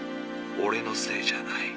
オレのせいじゃない。